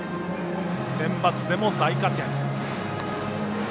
センバツでも大活躍。